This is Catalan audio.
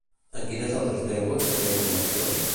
En quines altres llengües tenia formació?